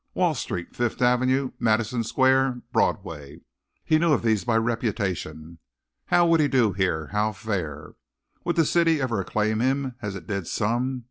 Wall Street, Fifth Avenue, Madison Square, Broadway he knew of these by reputation. How would he do here how fare? Would the city ever acclaim him as it did some?